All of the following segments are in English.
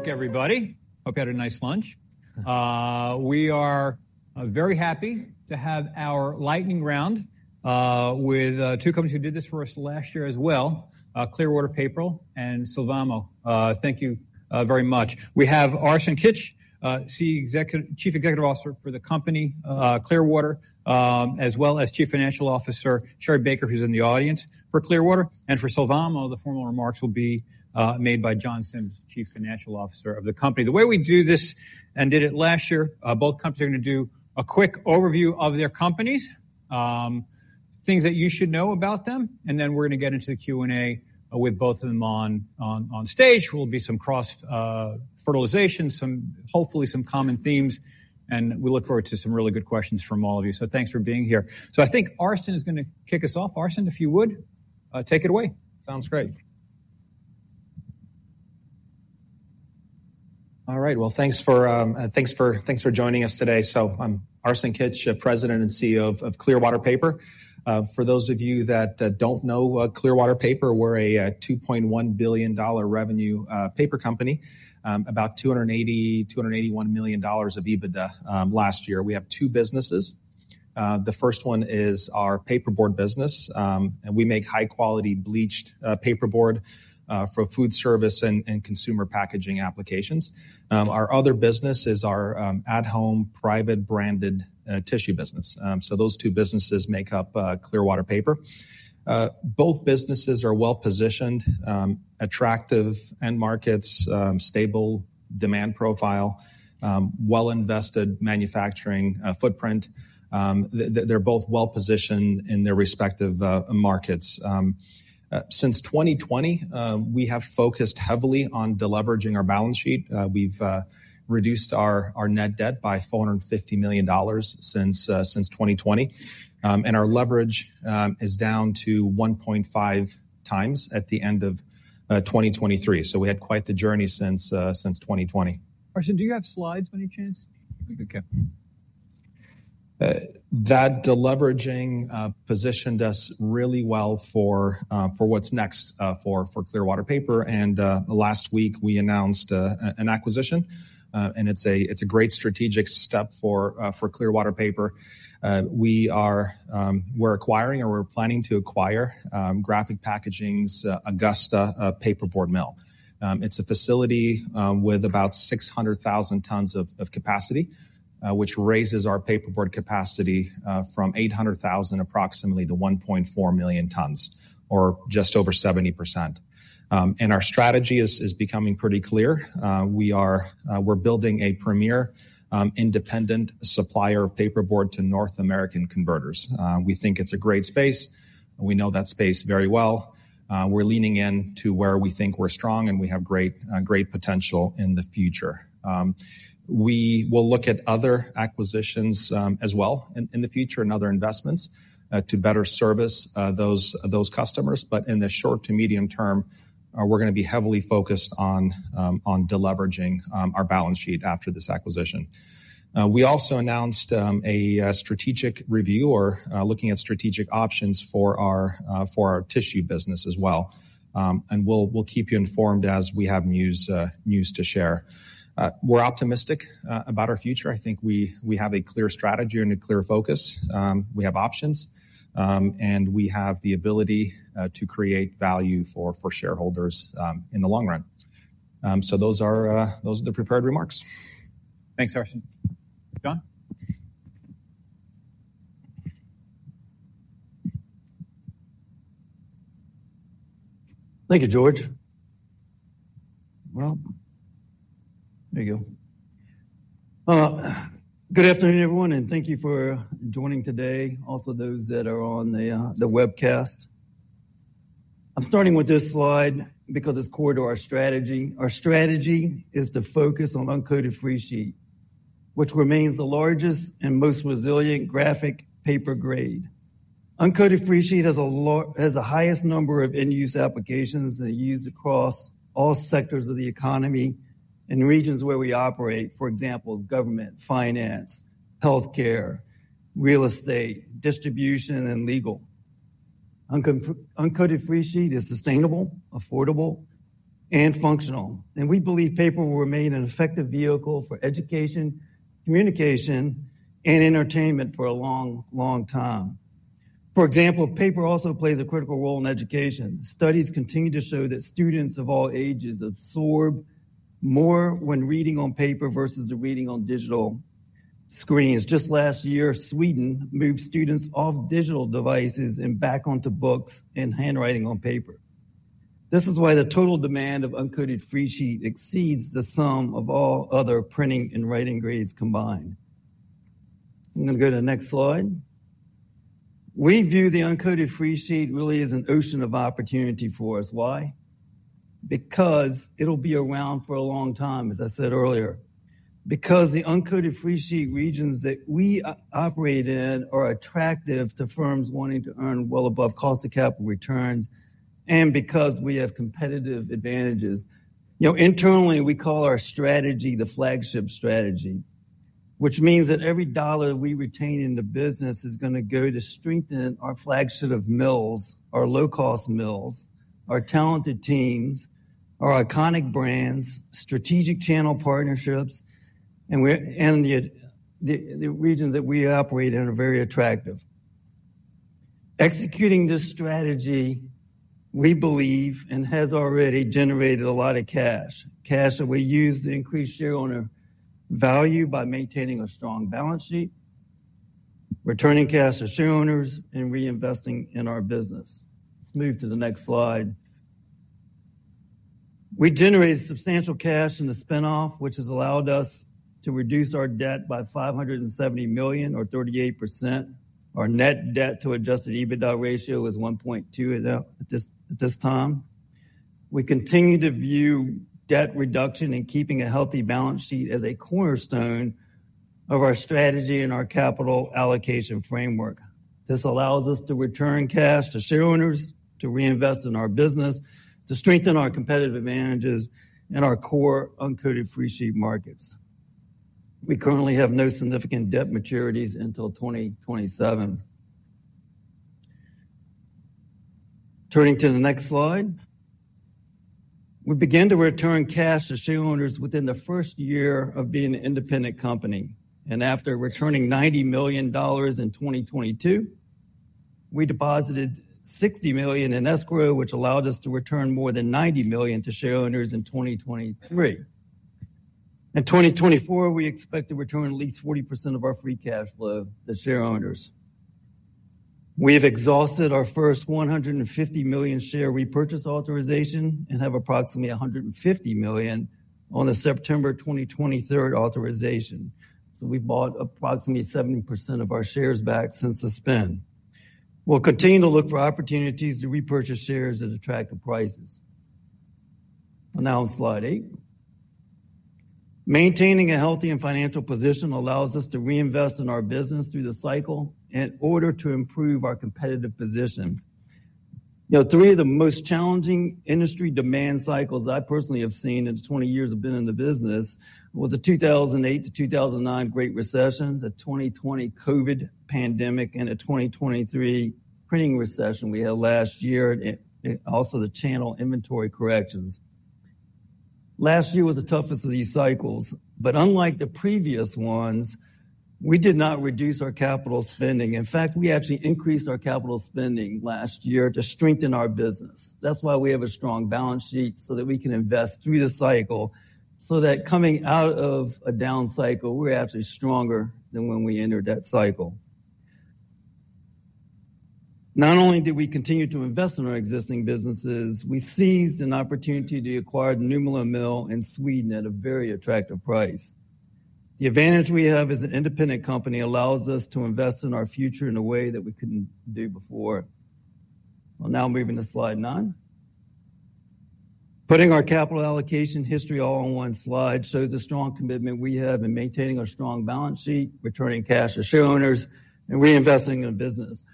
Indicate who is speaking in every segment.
Speaker 1: Welcome back, everybody. Hope you had a nice lunch. We are very happy to have our lightning round with two companies who did this for us last year as well, Clearwater Paper and Sylvamo. Thank you very much. We have Arsen Kitch, Chief Executive Officer for the company, Clearwater, as well as Chief Financial Officer, Sherri Baker, who's in the audience for Clearwater. And for Sylvamo, the formal remarks will be made by John Sims, Chief Financial Officer of the company. The way we do this and did it last year, both companies are gonna do a quick overview of their companies, things that you should know about them, and then we're gonna get into the Q&A with both of them on stage, where there will be some cross fertilization, some hopefully some common themes, and we look forward to some really good questions from all of you. So thanks for being here. So I think Arsen is gonna kick us off. Arsen, if you would, take it away.
Speaker 2: Sounds great. All right, well, thanks for joining us today. So I'm Arsen Kitch, President and CEO of Clearwater Paper. For those of you that don't know Clearwater Paper, we're a $2.1 billion revenue paper company, about $281 million of EBITDA last year. We have two businesses. The first one is our paperboard business, and we make high-quality bleached paperboard for food service and consumer packaging applications. Our other business is our at-home, private-branded tissue business. So those two businesses make up Clearwater Paper. Both businesses are well-positioned attractive end markets, stable demand profile, well-invested manufacturing footprint. They're both well-positioned in their respective markets. Since 2020, we have focused heavily on deleveraging our balance sheet. We've reduced our net debt by $450 million since 2020. And our leverage is down to 1.5x at the end of 2023. So we had quite the journey since 2020.
Speaker 1: Arsen, do you have slides by any chance? We could go.
Speaker 2: That deleveraging positioned us really well for what's next for Clearwater Paper, and last week, we announced an acquisition, and it's a great strategic step for Clearwater Paper. We are acquiring or we're planning to acquire Graphic Packaging's Augusta paperboard mill. It's a facility with about 600,000 tons of capacity, which raises our paperboard capacity from approximately 800,000 to 1.4 million tons, or just over 70%. And our strategy is becoming pretty clear. We are building a premier independent supplier of paperboard to North American converters. We think it's a great space, and we know that space very well. We're leaning into where we think we're strong, and we have great, great potential in the future. We will look at other acquisitions, as well in the future and other investments, to better service those customers. But in the short to medium term, we're gonna be heavily focused on deleveraging our balance sheet after this acquisition. We also announced a strategic review or looking at strategic options for our tissue business as well. And we'll keep you informed as we have news to share. We're optimistic about our future. I think we have a clear strategy and a clear focus. We have options, and we have the ability to create value for shareholders in the long run. So those are the prepared remarks.
Speaker 1: Thanks, Arsen. John?
Speaker 3: Thank you, George. Well, there you go. Good afternoon, everyone, and thank you for joining today, also those that are on the webcast. I'm starting with this slide because it's core to our strategy. Our strategy is to focus on uncoated free sheet, which remains the largest and most resilient graphic paper grade. Uncoated free sheet has the highest number of end-use applications that are used across all sectors of the economy in regions where we operate, for example, government, finance, healthcare, real estate, distribution, and legal. Uncoated free sheet is sustainable, affordable, and functional, and we believe paper will remain an effective vehicle for education, communication, and entertainment for a long, long time. For example, paper also plays a critical role in education. Studies continue to show that students of all ages absorb more when reading on paper versus reading on digital screens. Just last year, Sweden moved students off digital devices and back onto books and handwriting on paper. This is why the total demand of uncoated free sheet exceeds the sum of all other printing and writing grades combined. I'm gonna go to the next slide. We view the uncoated free sheet really as an ocean of opportunity for us. Why? Because it'll be around for a long time, as I said earlier. Because the uncoated free sheet regions that we operate in are attractive to firms wanting to earn well above cost of capital returns, and because we have competitive advantages. You know, internally, we call our strategy the flagship strategy. Which means that every dollar we retain in the business is gonna go to strengthen our flagship of mills, our low-cost mills, our talented teams, our iconic brands, strategic channel partnerships, and the regions that we operate in are very attractive. Executing this strategy, we believe, and has already generated a lot of cash. Cash that we use to increase shareholder value by maintaining a strong balance sheet, returning cash to shareholders, and reinvesting in our business. Let's move to the next slide. We generated substantial cash in the spin-off, which has allowed us to reduce our debt by $570 million or 38%. Our net debt to adjusted EBITDA ratio is 1.2 at this time. We continue to view debt reduction and keeping a healthy balance sheet as a cornerstone of our strategy and our capital allocation framework. This allows us to return cash to shareholders, to reinvest in our business, to strengthen our competitive advantages in our core uncoated free sheet markets. We currently have no significant debt maturities until 2027. Turning to the next slide. We began to return cash to shareholders within the first year of being an independent company, and after returning $90 million in 2022, we deposited $60 million in escrow, which allowed us to return more than $90 million to shareholders in 2023. In 2024, we expect to return at least 40% of our free cash flow to shareholders. We have exhausted our first 150 million share repurchase authorization and have approximately 150 million on the September 23, 2023 authorization. So we've bought approximately 70% of our shares back since the spin. We'll continue to look for opportunities to repurchase shares at attractive prices. Well, now on slide eight. Maintaining a healthy and financial position allows us to reinvest in our business through the cycle in order to improve our competitive position. You know, three of the most challenging industry demand cycles I personally have seen in the 20 years I've been in the business, was the 2008-2009 Great Recession, the 2020 COVID pandemic, and the 2023 printing recession we had last year, and, and also the channel inventory corrections. Last year was the toughest of these cycles, but unlike the previous ones, we did not reduce our capital spending. In fact, we actually increased our capital spending last year to strengthen our business. That's why we have a strong balance sheet, so that we can invest through the cycle, so that coming out of a down cycle, we're actually stronger than when we entered that cycle. Not only did we continue to invest in our existing businesses, we seized an opportunity to acquire the Nymölla Mill in Sweden at a very attractive price. The advantage we have as an independent company allows us to invest in our future in a way that we couldn't do before. Well, now moving to slide nine. Putting our capital allocation history all on one slide shows a strong commitment we have in maintaining our strong balance sheet, returning cash to shareholders, and reinvesting in business.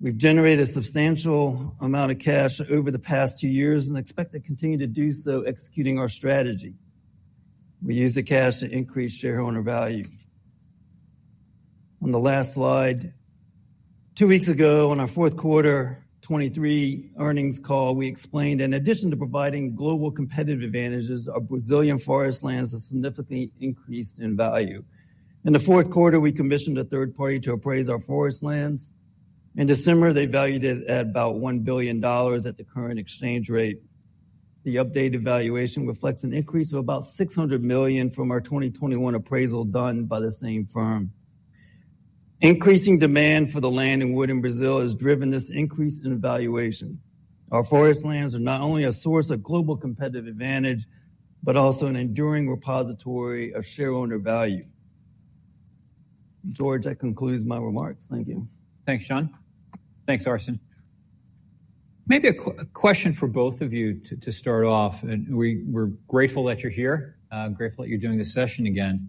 Speaker 3: We've generated substantial amount of cash over the past two years and expect to continue to do so executing our strategy. We use the cash to increase shareholder value. On the last slide, two weeks ago, on our fourth quarter 2023 earnings call, we explained in addition to providing global competitive advantages, our Brazilian forest lands have significantly increased in value. In the fourth quarter, we commissioned a third party to appraise our forest lands. In December, they valued it at about $1 billion at the current exchange rate. The updated valuation reflects an increase of about $600 million from our 2021 appraisal done by the same firm. Increasing demand for the land and wood in Brazil has driven this increase in valuation. Our forest lands are not only a source of global competitive advantage, but also an enduring repository of shareholder value. George, that concludes my remarks. Thank you.
Speaker 1: Thanks, John. Thanks, Arsen. Maybe a question for both of you to start off, and we're grateful that you're here, grateful that you're doing this session again.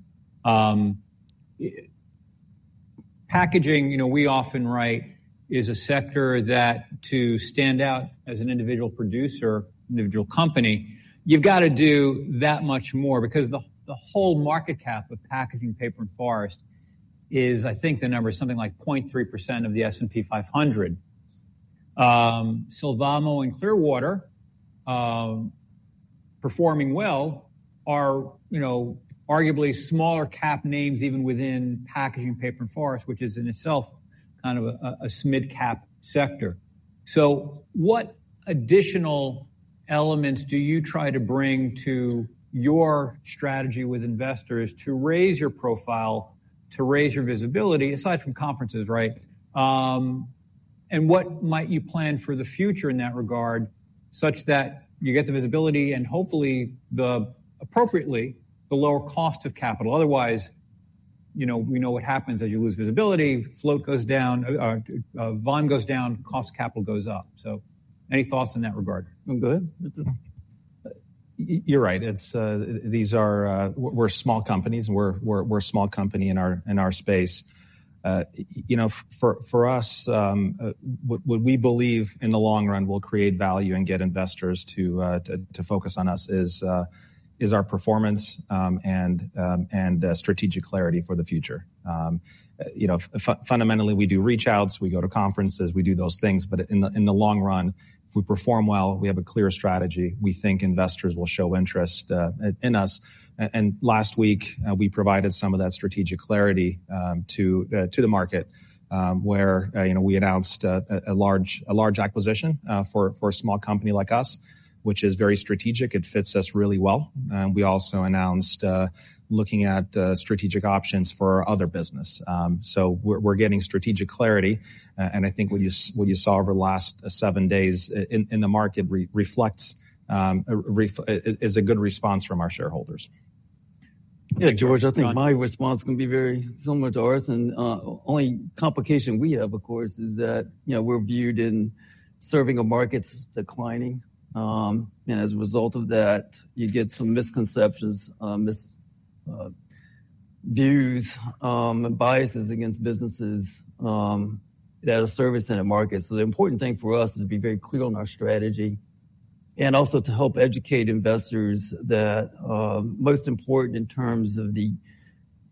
Speaker 1: Packaging, you know, we often write, is a sector that to stand out as an individual producer, individual company, you've got to do that much more because the whole market cap of packaging paper and forest is, I think the number is something like 0.3% of the S&P 500. Sylvamo and Clearwater, performing well are, you know, arguably smaller cap names, even within packaging, paper, and forest, which is in itself kind of a mid-cap sector. So what additional elements do you try to bring to your strategy with investors to raise your profile, to raise your visibility, aside from conferences, right? And what might you plan for the future in that regard, such that you get the visibility and hopefully appropriately, the lower cost of capital? Otherwise, you know, we know what happens as you lose visibility, float goes down, vol goes down, cost of capital goes up. So any thoughts in that regard?
Speaker 3: Go ahead.
Speaker 2: You're right. It's these are. We're a small company in our space. You know, for us, what we believe in the long run will create value and get investors to focus on us is our performance and strategic clarity for the future. You know, fundamentally, we do reach outs, we go to conferences, we do those things, but in the long run, if we perform well, we have a clear strategy, we think investors will show interest in us. And last week, we provided some of that strategic clarity to the market, where you know, we announced a large acquisition for a small company like us, which is very strategic. It fits us really well. We also announced looking at strategic options for our other business. So we're getting strategic clarity, and I think what you saw over the last seven days in the market reflects is a good response from our shareholders.
Speaker 3: Yeah, George, I think my response can be very similar to ours, and only complication we have, of course, is that, you know, we're viewed in serving a market's declining. And as a result of that, you get some misconceptions, misviews, and biases against businesses that are servicing a market. So the important thing for us is to be very clear on our strategy and also to help educate investors that most important in terms of the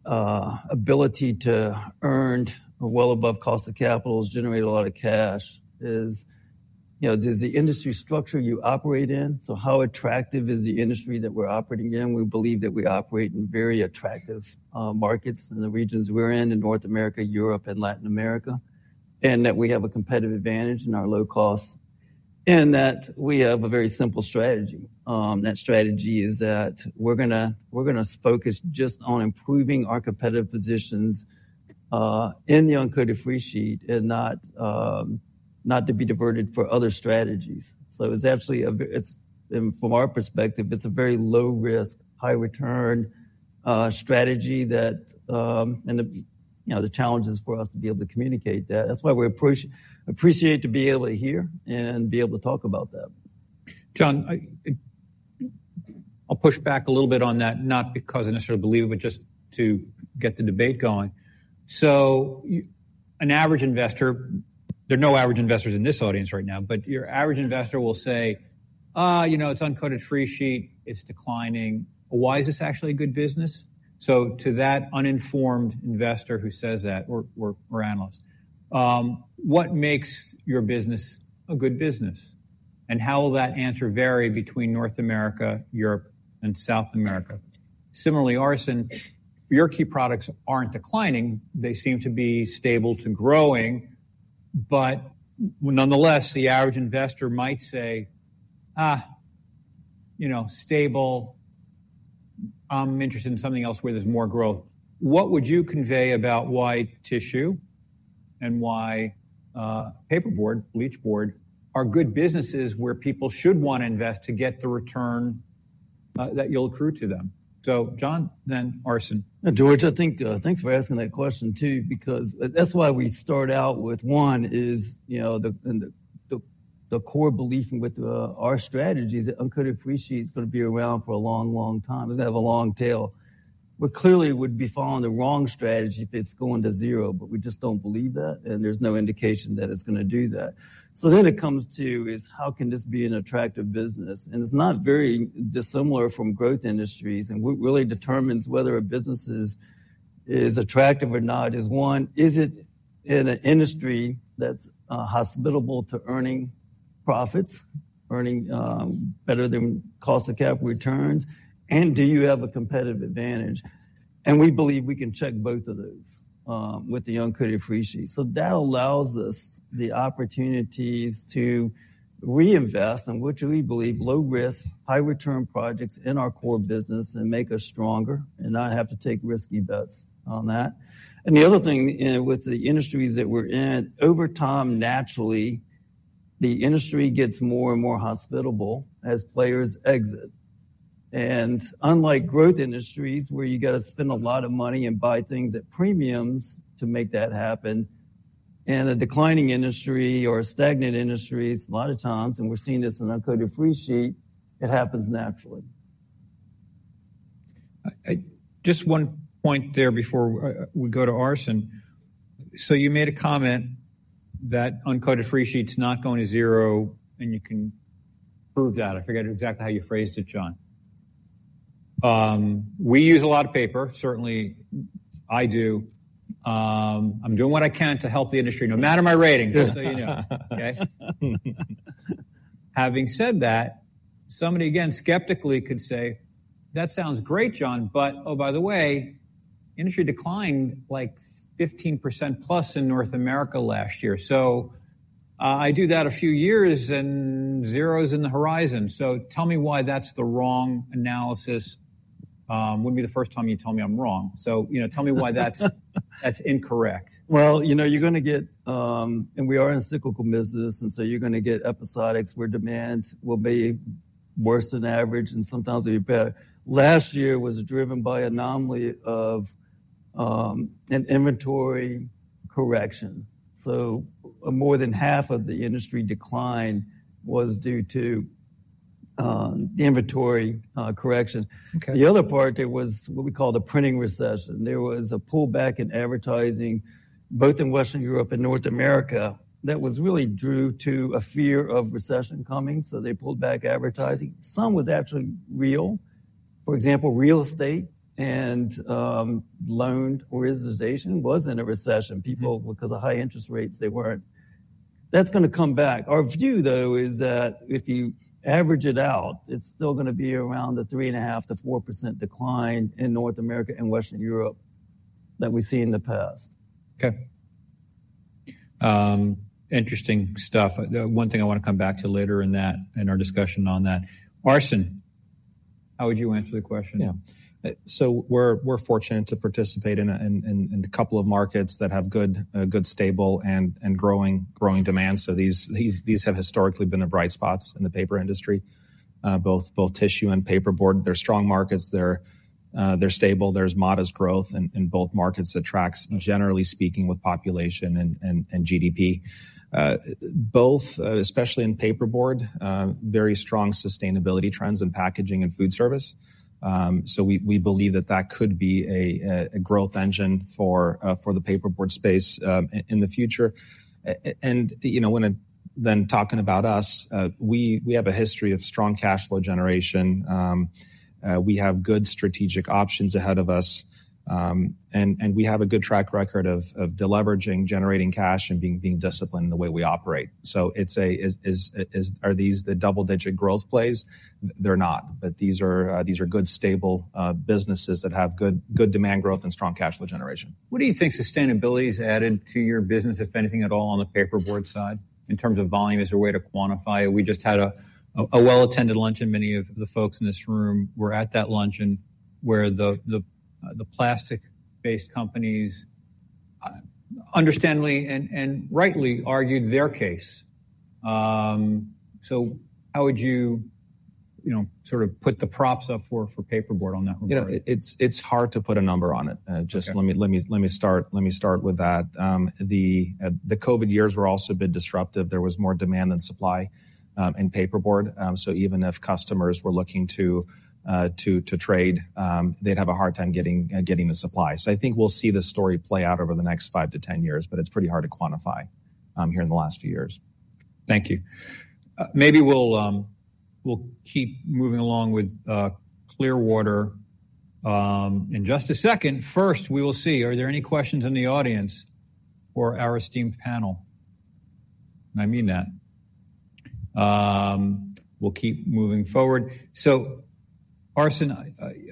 Speaker 3: ability to earn well above cost of capital is generate a lot of cash is, you know, does the industry structure you operate in? So how attractive is the industry that we're operating in? We believe that we operate in very attractive markets in the regions we're in, in North America, Europe, and Latin America, and that we have a competitive advantage in our low costs, and that we have a very simple strategy. That strategy is that we're gonna focus just on improving our competitive positions in the uncoated free sheet and not to be diverted for other strategies. So it's actually it's, from our perspective, it's a very low risk, high return strategy that. You know, the challenge is for us to be able to communicate that. That's why we appreciate to be here and be able to talk about that.
Speaker 1: John, I, I'll push back a little bit on that, not because I necessarily believe it, but just to get the debate going. So you, an average investor, there are no average investors in this audience right now, but your average investor will say, "You know, it's uncoated free sheet, it's declining. Why is this actually a good business?" So to that uninformed investor who says that, analyst, what makes your business a good business? And how will that answer vary between North America, Europe, and South America? Similarly, Arsen, your key products aren't declining. They seem to be stable to growing, but nonetheless, the average investor might say, "You know, stable. I'm interested in something else where there's more growth." What would you convey about why tissue and why paperboard, bleached board, are good businesses where people should want to invest to get the return that you'll accrue to them? So John, then Arsen.
Speaker 3: George, I think, thanks for asking that question, too, because that's why we start out with one, is, you know, the core belief with our strategy is that uncoated free sheet is gonna be around for a long, long time. It's gonna have a long tail. We clearly would be following the wrong strategy if it's going to zero, but we just don't believe that, and there's no indication that it's gonna do that. So then it comes to is, how can this be an attractive business? And it's not very dissimilar from growth industries. And what really determines whether a business is attractive or not is, one, is it in an industry that's hospitable to earning profits, earning better than cost of capital returns? And do you have a competitive advantage? And we believe we can check both of those with the uncoated free sheet. So that allows us the opportunities to reinvest in which we believe low risk, high return projects in our core business and make us stronger and not have to take risky bets on that. And the other thing in with the industries that we're in, over time, naturally, the industry gets more and more hospitable as players exit. And unlike growth industries, where you got to spend a lot of money and buy things at premiums to make that happen, in a declining industry or stagnant industries, a lot of times, and we're seeing this in Uncoated free sheet, it happens naturally.
Speaker 1: Just one point there before we go to Arsen. So you made a comment that uncoated free sheet is not going to zero, and you can prove that. I forget exactly how you phrased it, John. We use a lot of paper. Certainly, I do. I'm doing what I can to help the industry, no matter my rating, just so you know. Okay? Having said that, somebody, again, skeptically, could say, "That sounds great, John, but oh, by the way, industry declined like +15% in North America last year. So, I do that a few years, and zero is in the horizon." So tell me why that's the wrong analysis. Wouldn't be the first time you told me I'm wrong. So, you know, tell me why that's incorrect.
Speaker 3: Well, you know, you're gonna get. We are in a cyclical business, and so you're gonna get episodics where demand will be worse than average and sometimes even better. Last year was driven by anomaly of an inventory correction. So more than half of the industry decline was due to inventory correction.
Speaker 1: Okay.
Speaker 3: The other part, there was what we call the printing recession. There was a pullback in advertising, both in Western Europe and North America, that was really due to a fear of recession coming, so they pulled back advertising. Some was actually real. For example, real estate and loan organization was in a recession. People, because of high interest rates, they weren't. That's gonna come back. Our view, though, is that if you average it out, it's still gonna be around the 3.5%-4% decline in North America and Western Europe than we see in the past.
Speaker 1: Okay. Interesting stuff. One thing I wanna come back to later in that, in our discussion on that. Arsen, how would you answer the question?
Speaker 2: Yeah. So we're fortunate to participate in a couple of markets that have good, stable, and growing demand. So these have historically been the bright spots in the paper industry, both tissue and paperboard. They're strong markets. They're stable. There's modest growth in both markets that tracks, generally speaking, with population and GDP. Both, especially in paperboard, very strong sustainability trends in packaging and food service. So we believe that that could be a growth engine for the paperboard space, in the future. And, you know, when. Then talking about us, we have a history of strong cash flow generation. We have good strategic options ahead of us, and we have a good track record of deleveraging, generating cash, and being disciplined in the way we operate. So are these the double-digit growth plays? They're not, but these are good, stable businesses that have good demand growth and strong cash flow generation.
Speaker 1: What do you think sustainability has added to your business, if anything at all, on the paperboard side, in terms of volume, is there a way to quantify it? We just had a well-attended luncheon. Many of the folks in this room were at that luncheon, where the plastic-based companies understandably and rightly argued their case. So how would you, you know, sort of put the props up for paperboard on that regard?
Speaker 2: You know, it's, it's hard to put a number on it.
Speaker 1: Okay.
Speaker 2: Just let me start with that. The COVID years were also a bit disruptive. There was more demand than supply in paperboard. So even if customers were looking to trade, they'd have a hard time getting the supply. So I think we'll see this story play out over the next 5-10 years, but it's pretty hard to quantify here in the last few years.
Speaker 1: Thank you. Maybe we'll keep moving along with Clearwater in just a second. First, we will see, are there any questions in the audience for our esteemed panel? And I mean that. We'll keep moving forward. So Arsen,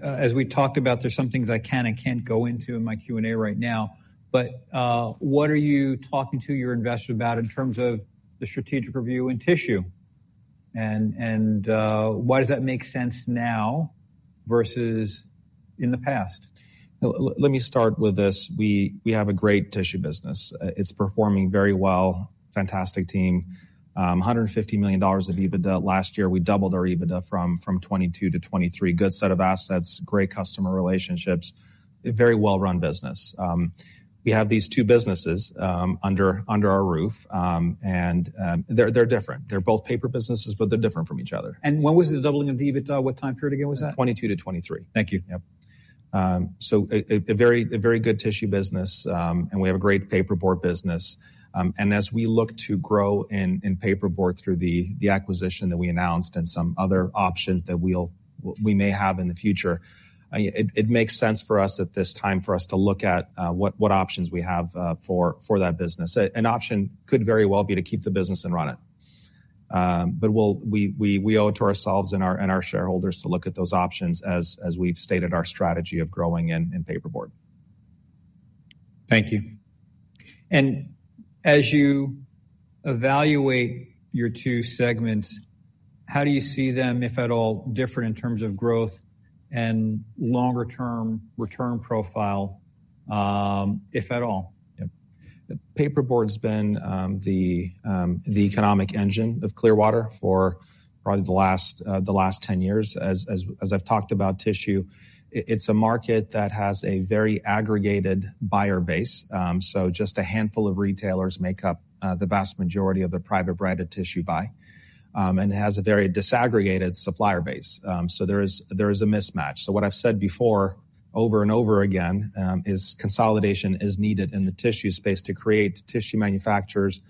Speaker 1: as we talked about, there's some things I can and can't go into in my Q&A right now, but what are you talking to your investor about in terms of the strategic review in tissue? And why does that make sense now versus in the past?
Speaker 2: Let me start with this. We have a great tissue business. It's performing very well, fantastic team. $150 million of EBITDA. Last year, we doubled our EBITDA from 2022-2023. Good set of assets, great customer relationships, a very well-run business. We have these two businesses under our roof, and they're different. They're both paper businesses, but they're different from each other.
Speaker 1: When was the doubling of the EBITDA? What time period again was that?
Speaker 2: 2022-2023.
Speaker 1: Thank you.
Speaker 2: Yep. So a very good tissue business, and we have a great paperboard business. And as we look to grow in paperboard through the acquisition that we announced and some other options that we may have in the future, it makes sense for us at this time for us to look at what options we have for that business. An option could very well be to keep the business and run it. But we owe it to ourselves and our shareholders to look at those options as we've stated our strategy of growing in paperboard.
Speaker 1: Thank you. As you evaluate your two segments, how do you see them, if at all, different in terms of growth and longer-term return profile, if at all?
Speaker 2: Yep. Paperboard's been the economic engine of Clearwater for probably the last 10 years. As I've talked about tissue, it's a market that has a very aggregated buyer base. So just a handful of retailers make up the vast majority of the private branded tissue buy, and it has a very disaggregated supplier base. So there is a mismatch. So what I've said before, over and over again, is consolidation is needed in the tissue space to create tissue manufacturers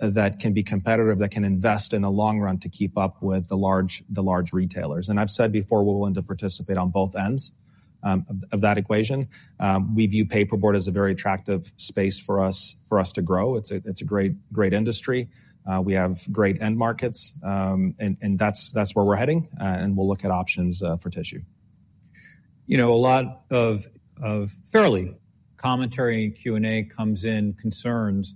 Speaker 2: that can be competitive, that can invest in the long run to keep up with the large retailers. And I've said before, we're willing to participate on both ends of that equation. We view paperboard as a very attractive space for us to grow. It's a great, great industry. We have great end markets, and that's where we're heading, and we'll look at options for tissue.
Speaker 1: You know, a lot of fair commentary in Q&A comes in concerns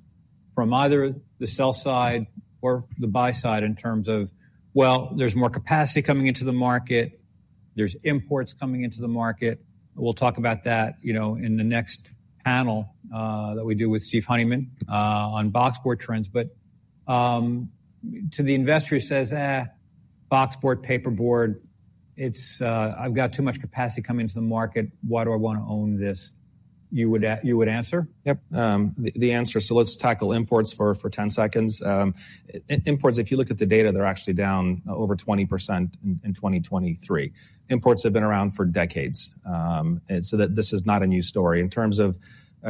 Speaker 1: from either the sell side or the buy side in terms of, well, there's more capacity coming into the market, there's imports coming into the market. We'll talk about that, you know, in the next panel that we do with Steve Honeyman on boxboard trends. But to the investor who says, "Boxboard, paperboard, it's, I've got too much capacity coming into the market. Why do I want to own this?" You would, you would answer?
Speaker 2: Yep, the answer, so let's tackle imports for 10 seconds. Imports, if you look at the data, they're actually down over 20% in 2023. Imports have been around for decades, and so that this is not a new story. In terms of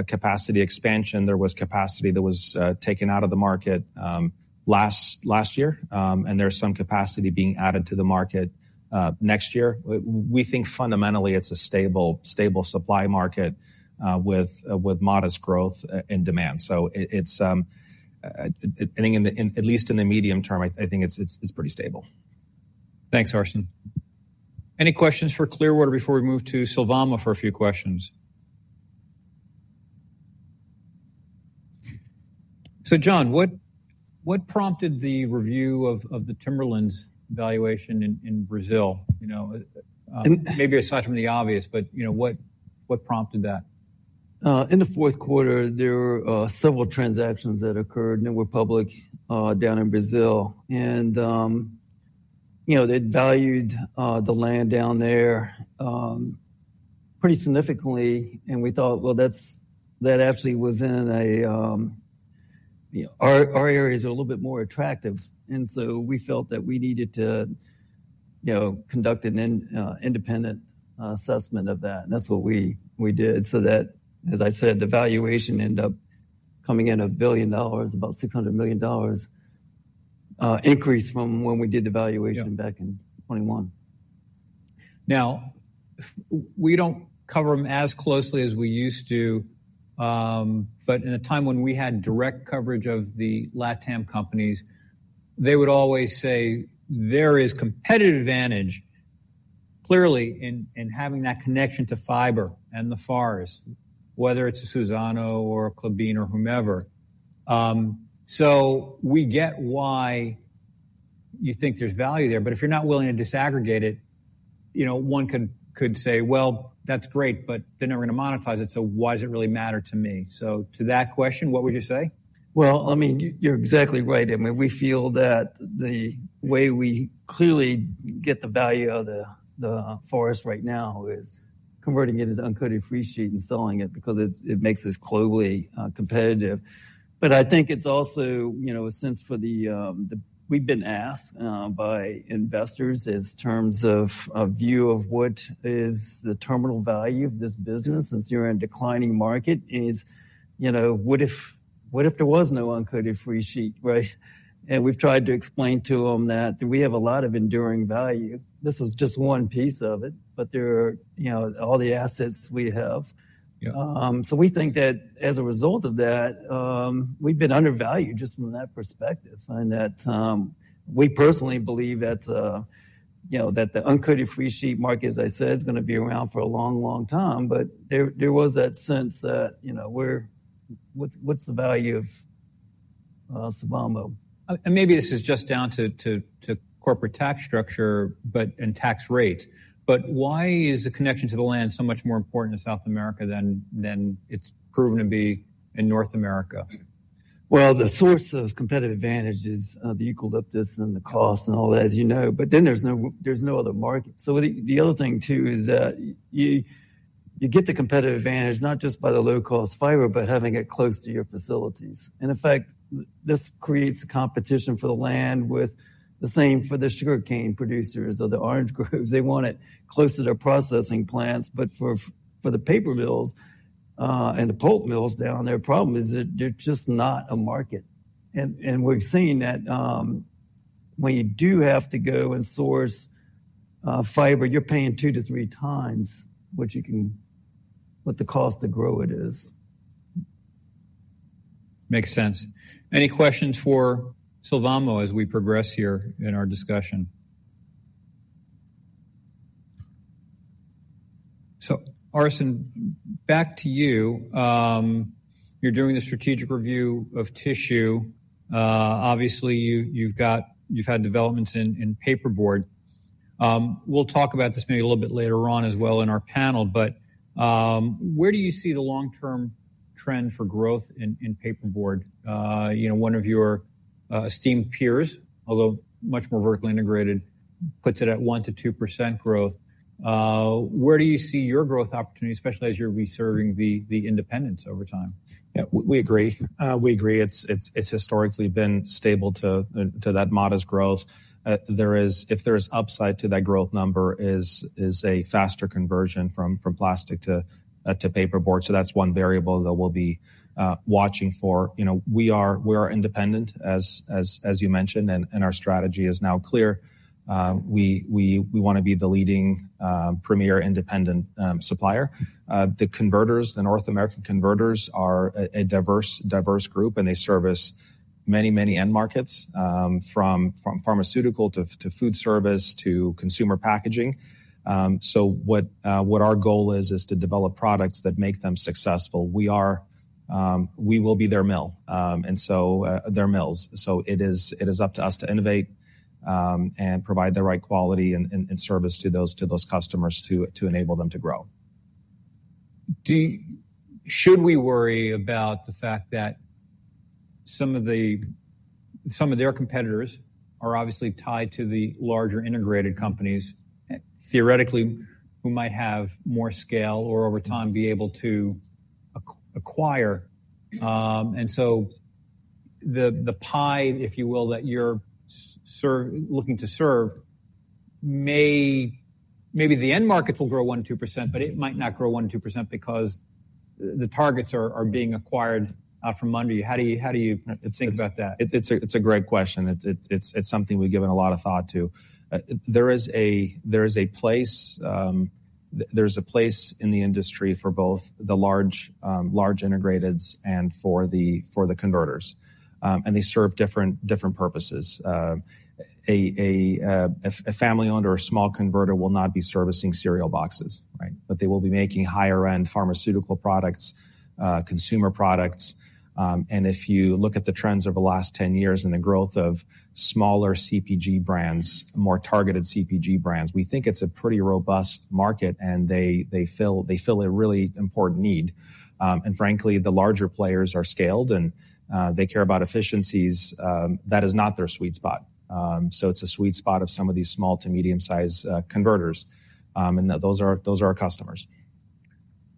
Speaker 2: capacity expansion, there was capacity that was taken out of the market last year, and there's some capacity being added to the market next year. We think fundamentally it's a stable supply market with modest growth in demand. So it, it's, I think in the, at least in the medium term, I think it's pretty stable.
Speaker 1: Thanks, Arsen. Any questions for Clearwater before we move to Sylvamo for a few questions? So John, what prompted the review of the Timberlands valuation in Brazil? You know, maybe aside from the obvious, but, you know, what prompted that?
Speaker 3: In the fourth quarter, there were several transactions that occurred and were public down in Brazil. And, you know, they'd valued the land down there pretty significantly, and we thought, well, that's, that actually was in a, you know. Our areas are a little bit more attractive, and so we felt that we needed to, you know, conduct an independent assessment of that, and that's what we did. So that, as I said, the valuation ended up coming in $1 billion, about $600 million increase from when we did the valuation.
Speaker 1: Yeah.
Speaker 3: Back in 2021.
Speaker 1: Now, we don't cover them as closely as we used to, but in a time when we had direct coverage of the Latam companies, they would always say there is competitive advantage, clearly, in having that connection to fiber and the forest, whether it's a Suzano or a Klabin or whomever. So we get why you think there's value there, but if you're not willing to disaggregate it, you know, one could, could say, "Well, that's great, but they're not going to monetize it, so why does it really matter to me?" So to that question, what would you say?
Speaker 3: Well, I mean, you're exactly right. I mean, we feel that the way we clearly get the value out of the forest right now is converting it into uncoated free sheet and selling it because it makes us globally competitive. But I think it's also, you know, a sense for the, we've been asked by investors in terms of a view of what is the terminal value of this business, since you're in a declining market, you know, what if there was no uncoated free sheet, right? And we've tried to explain to them that we have a lot of enduring value. This is just one piece of it, but there are, you know, all the assets we have.
Speaker 1: Yeah.
Speaker 3: So we think that as a result of that, we've been undervalued just from that perspective, and that we personally believe that, you know, that the uncoated free sheet market, as I said, is gonna be around for a long, long time. But there was that sense that, you know, we're - what's the value of Sylvamo?
Speaker 1: Maybe this is just down to corporate tax structure and tax rates, but why is the connection to the land so much more important to South America than it's proven to be in North America?
Speaker 3: Well, the source of competitive advantage is the eucalyptus and the cost and all that, as you know, but then there's no other market. So the other thing, too, is that you get the competitive advantage not just by the low-cost fiber, but having it close to your facilities. And in fact, this creates a competition for the land with the same for the sugarcane producers or the orange groves. They want it close to their processing plants, but for the paper mills and the pulp mills down there, the problem is that there's just not a market. And we've seen that when you do have to go and source fiber, you're paying 2-3x what the cost to grow it is.
Speaker 1: Makes sense. Any questions for Sylvamo as we progress here in our discussion? So Arsen, back to you. You're doing the strategic review of tissue. Obviously, you've had developments in paperboard. We'll talk about this maybe a little bit later on as well in our panel, but where do you see the long-term trend for growth in paperboard? You know, one of your esteemed peers, although much more vertically integrated, puts it at 1%-2% growth. Where do you see your growth opportunity, especially as you're preserving the independence over time?
Speaker 2: Yeah, we agree. We agree. It's historically been stable to that modest growth. If there's upside to that growth number, it's a faster conversion from plastic to paperboard. So that's one variable that we'll be watching for. You know, we are independent, as you mentioned, and our strategy is now clear. We wanna be the leading premier independent supplier. The North American converters are a diverse group, and they service many end markets from pharmaceutical to food service to consumer packaging. So what our goal is to develop products that make them successful. We will be their mill, and so their mills. So it is up to us to innovate and provide the right quality and service to those customers to enable them to grow.
Speaker 1: Should we worry about the fact that some of their competitors are obviously tied to the larger integrated companies, theoretically, who might have more scale or over time be able to acquire? And so the pie, if you will, that you're serving, maybe the end markets will grow 1%-2%, but it might not grow 1%-2% because the targets are being acquired from under you. How do you think about that?
Speaker 2: It's a great question. It's something we've given a lot of thought to. There is a place in the industry for both the large integrated and the converters, and they serve different purposes. A family-owned or a small converter will not be servicing cereal boxes, right? But they will be making higher-end pharmaceutical products, consumer products. And if you look at the trends over the last 10 years and the growth of smaller CPG brands, more targeted CPG brands, we think it's a pretty robust market, and they fill a really important need. And frankly, the larger players are scaled, and they care about efficiencies. That is not their sweet spot. So it's a sweet spot of some of these small- to medium-size converters, and those are, those are our customers.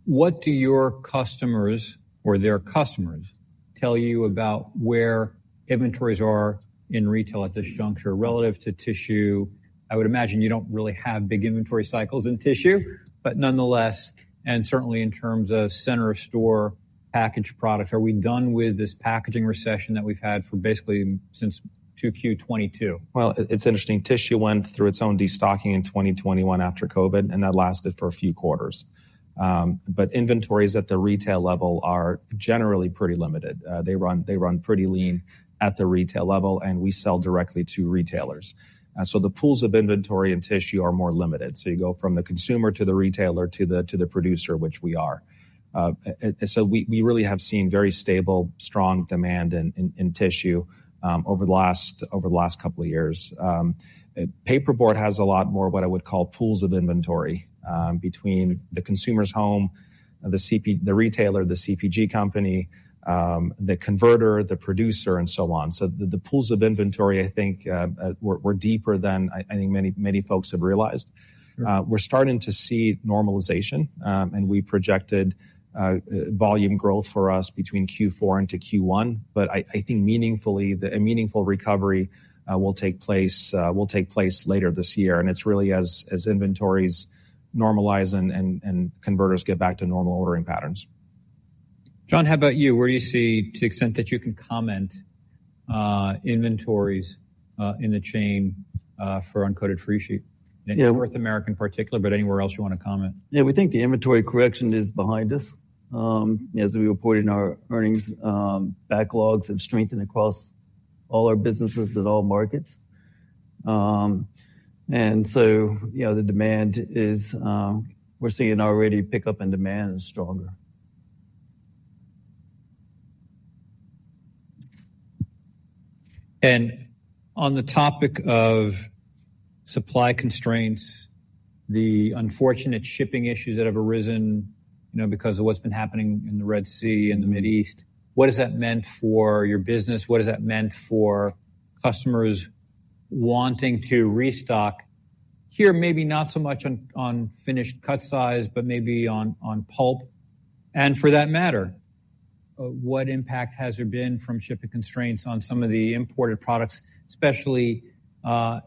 Speaker 1: What do your customers or their customers tell you about where inventories are in retail at this juncture relative to tissue? I would imagine you don't really have big inventory cycles in tissue, but nonetheless, and certainly in terms of center-of-store packaged products, are we done with this packaging recession that we've had for basically since 2Q 2022?
Speaker 2: Well, it's interesting. Tissue went through its own destocking in 2021 after COVID, and that lasted for a few quarters. But inventories at the retail level are generally pretty limited. They run pretty lean at the retail level, and we sell directly to retailers. So the pools of inventory and tissue are more limited. So you go from the consumer to the retailer to the producer, which we are. And so we really have seen very stable, strong demand in tissue over the last couple of years. Paperboard has a lot more, what I would call, pools of inventory between the consumer's home, the retailer, the CPG company, the converter, the producer, and so on. So the pools of inventory, I think, were deeper than I think many, many folks have realized. We're starting to see normalization, and we projected volume growth for us between Q4 into Q1, but I think meaningfully, a meaningful recovery will take place later this year, and it's really as inventories normalize and converters get back to normal ordering patterns.
Speaker 1: John, how about you? Where do you see, to the extent that you can comment, inventories, in the chain, for uncoated free sheet?
Speaker 3: Yeah.
Speaker 1: North America in particular, but anywhere else you wanna comment.
Speaker 3: Yeah, we think the inventory correction is behind us. As we reported in our earnings, backlogs have strengthened across all our businesses at all markets. And so, you know, the demand is, we're seeing already pick up and demand is stronger.
Speaker 1: On the topic of supply constraints, the unfortunate shipping issues that have arisen, you know, because of what's been happening in the Red Sea and the Middle East, what has that meant for your business? What has that meant for customers wanting to restock? Here, maybe not so much on, on finished cut size, but maybe on, on pulp. And for that matter, what impact has there been from shipping constraints on some of the imported products, especially,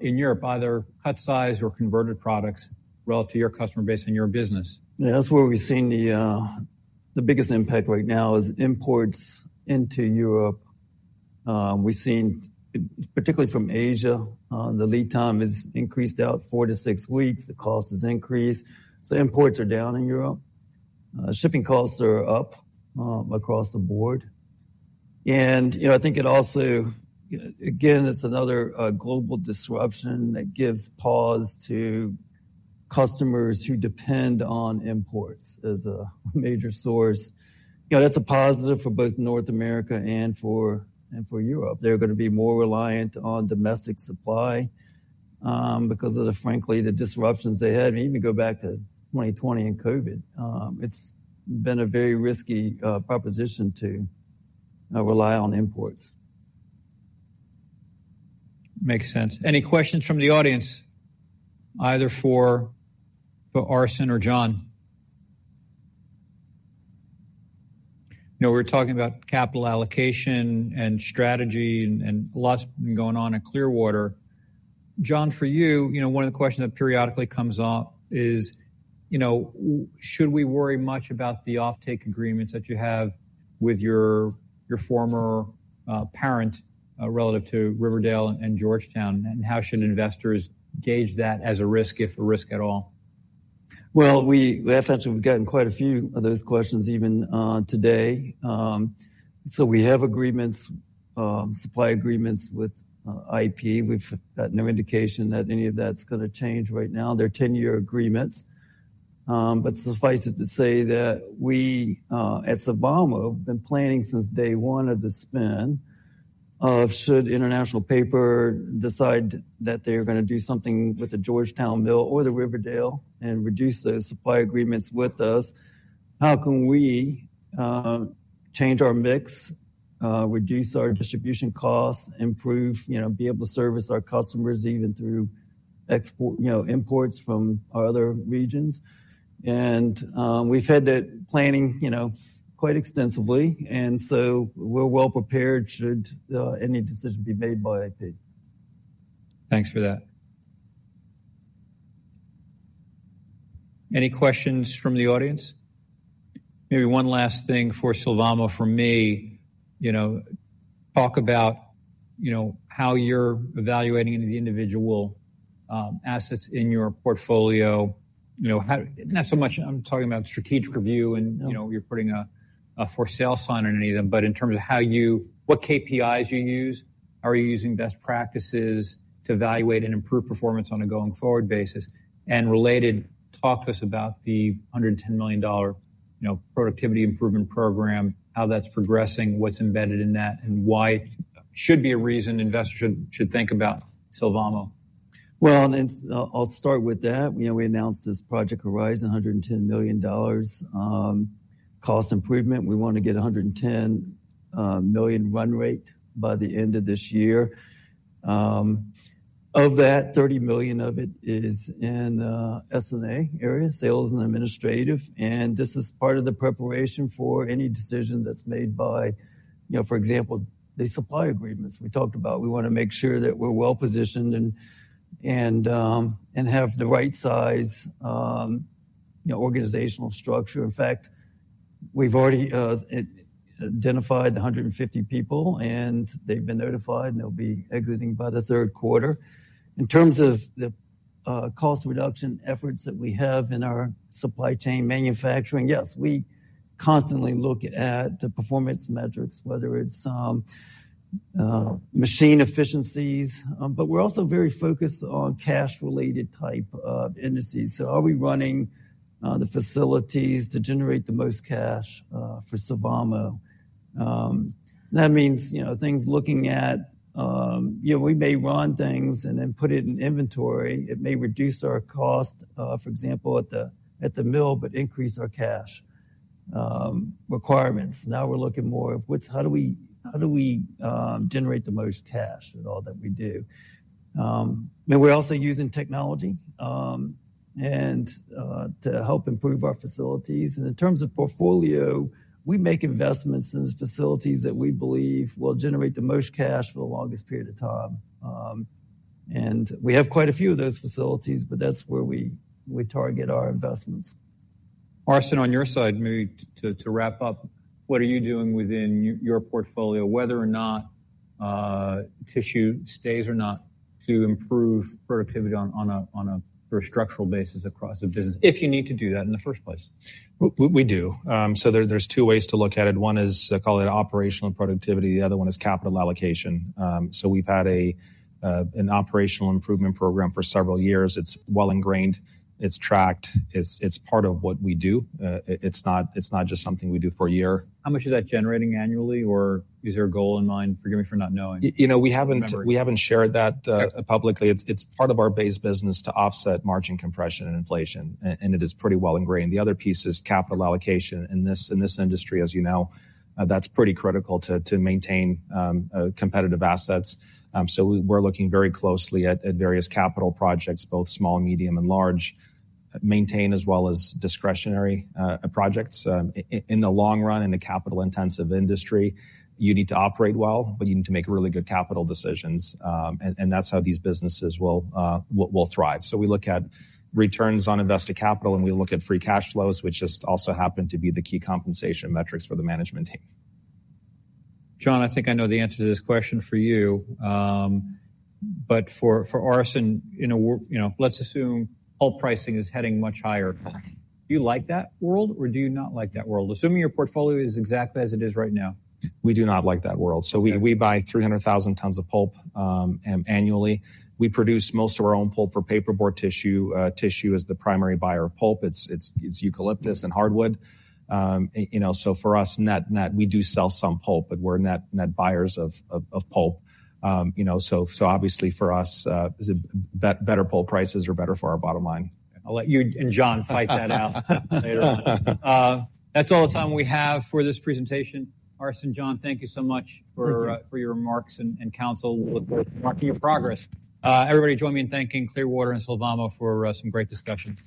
Speaker 1: in Europe, either cut size or converted products relative to your customer base and your business?
Speaker 3: Yeah, that's where we've seen the biggest impact right now is imports into Europe. We've seen, particularly from Asia, the lead time is increased out 4-6 weeks. The cost has increased, so imports are down in Europe. Shipping costs are up, across the board. And, you know, I think it also, you know, again, it's another global disruption that gives pause to customers who depend on imports as a major source. You know, that's a positive for both North America and for, and for Europe. They're gonna be more reliant on domestic supply, because of the, frankly, the disruptions they had, and even go back to 2020 and COVID. It's been a very risky proposition to rely on imports.
Speaker 1: Makes sense. Any questions from the audience, either for Arsen or John? You know, we're talking about capital allocation and strategy and lots going on in Clearwater. John, for you, you know, one of the questions that periodically comes up is, you know, should we worry much about the offtake agreements that you have with your former parent relative to Riverdale and Georgetown, and how should investors gauge that as a risk, if a risk at all?
Speaker 3: Well, actually, we've gotten quite a few of those questions even today. So we have agreements, supply agreements with IP. We've got no indication that any of that's gonna change right now. They're ten-year agreements. But suffice it to say that we at Sylvamo have been planning since day one of the spin should International Paper decide that they're gonna do something with the Georgetown Mill or the Riverdale and reduce those supply agreements with us, how can we change our mix, reduce our distribution costs, improve, you know, be able to service our customers even through export, you know, imports from our other regions? And we've had that planning, you know, quite extensively, and so we're well prepared should any decision be made by IP.
Speaker 1: Thanks for that. Any questions from the audience? Maybe one last thing for Sylvamo, from me, you know, talk about, you know, how you're evaluating the individual, assets in your portfolio. You know, how-- not so much I'm talking about strategic review and-
Speaker 3: Yeah.
Speaker 1: You know, you're putting a for sale sign on any of them, but in terms of how you. What KPIs you use, how are you using best practices to evaluate and improve performance on a going-forward basis? And related, talk to us about the $110 million, you know, productivity improvement program, how that's progressing, what's embedded in that, and why should be a reason investors should think about Sylvamo.
Speaker 3: Well, I'll start with that. You know, we announced this Project Horizon, $110 million cost improvement. We wanna get 110 million run rate by the end of this year. Of that, $30 million of it is in S&A area, sales and administrative, and this is part of the preparation for any decision that's made by, you know, for example, the supply agreements we talked about. We wanna make sure that we're well-positioned and have the right size, you know, organizational structure. In fact, we've already identified 150 people, and they've been notified, and they'll be exiting by the third quarter. In terms of the cost reduction efforts that we have in our supply chain manufacturing, yes, we constantly look at the performance metrics, whether it's machine efficiencies, but we're also very focused on cash-related type of indices. So are we running the facilities to generate the most cash for Sylvamo? That means, you know, things looking at. You know, we may run things and then put it in inventory. It may reduce our cost, for example, at the mill, but increase our cash requirements. Now, we're looking more of what's, how do we generate the most cash in all that we do? And we're also using technology and to help improve our facilities. In terms of portfolio, we make investments in facilities that we believe will generate the most cash for the longest period of time. We have quite a few of those facilities, but that's where we target our investments.
Speaker 1: Arsen, on your side, maybe to wrap up, what are you doing within your portfolio, whether or not tissue stays or not, to improve productivity on a very structural basis across the business, if you need to do that in the first place?
Speaker 2: We do. So there's two ways to look at it. One is, call it operational productivity, the other one is capital allocation. So we've had an operational improvement program for several years. It's well ingrained, it's tracked, it's part of what we do. It's not just something we do for a year.
Speaker 1: How much is that generating annually, or is there a goal in mind? Forgive me for not knowing.
Speaker 2: you know, we haven't-
Speaker 1: I remember.
Speaker 2: We haven't shared that publicly.
Speaker 1: Okay.
Speaker 2: It's part of our base business to offset margin compression and inflation, and it is pretty well ingrained. The other piece is capital allocation. In this industry, as you know, that's pretty critical to maintain competitive assets. So we're looking very closely at various capital projects, both small, medium, and large, maintenance as well as discretionary projects. In the long run, in a capital-intensive industry, you need to operate well, but you need to make really good capital decisions, and that's how these businesses will thrive. So we look at returns on invested capital, and we look at free cash flow, which just also happen to be the key compensation metrics for the management team.
Speaker 1: John, I think I know the answer to this question for you, but for Arsen, you know, we're, you know, let's assume pulp pricing is heading much higher. Do you like that world, or do you not like that world? Assuming your portfolio is exactly as it is right now.
Speaker 2: We do not like that world.
Speaker 1: Okay.
Speaker 2: So we buy 300,000 tons of pulp annually. We produce most of our own pulp for paperboard tissue. Tissue is the primary buyer of pulp. It's eucalyptus and hardwood. You know, so for us, net, we do sell some pulp, but we're net buyers of pulp. You know, so obviously, for us, better pulp prices are better for our bottom line.
Speaker 1: I'll let you and John fight that out later on. That's all the time we have for this presentation. Arsen, John, thank you so much.
Speaker 3: Thank you.
Speaker 1: for your remarks and counsel. We'll look forward to marking your progress. Everybody, join me in thanking Clearwater and Sylvamo for some great discussion.